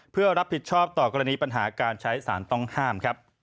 เพื่อรับผิดชอบต่อกรณีปัญหาการใช้สารต้องห้ามครับ